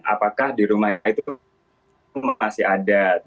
apakah di rumah itu masih ada